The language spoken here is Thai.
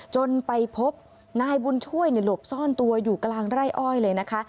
จนไปพบนายบุญช่วยหลบซ่อนตัวอยู่กลางไร่อ้อยเลยนะคะ